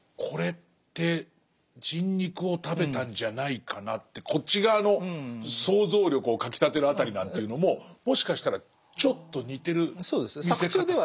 これって人肉を食べたんじゃないかなってこっち側の想像力をかきたてる辺りなんていうのももしかしたらちょっと似てる見せ方も。